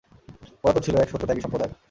ওরা তো ছিল এক সত্যত্যাগী সম্প্রদায়!